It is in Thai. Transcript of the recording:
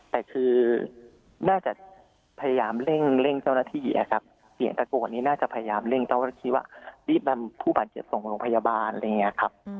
แต่คือน่าจะพยายามเร่งเจ้าหน้าที่นะครับเสียงตะโกนนี้น่าจะพยายามเร่งเจ้าหน้าที่ว่ารีบนำผู้บาดเจ็บส่งโรงพยาบาลอะไรอย่างนี้ครับ